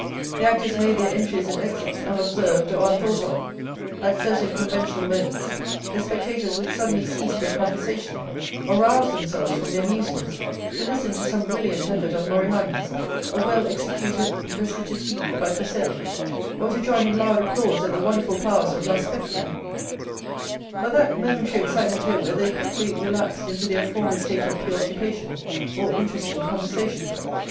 The actors made their entries and exits unobserved or unthought of; at certain conventional moments, the spectators would suddenly cease their conversation, or rouse themselves from their musings, to listen to some brilliant effort of Moriani's, a well executed recitative by Coselli, or to join in loud applause at the wonderful powers of La Specchia; but that momentary excitement over, they quickly relapsed into their former state of preoccupation or interesting conversation.